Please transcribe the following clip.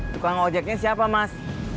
tukang ojeknya siapa mas